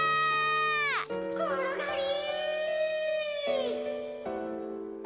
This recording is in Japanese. ころがり！